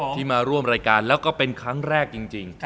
ที่มาร่วมรายการแล้วก็เป็นครั้งแรกจริง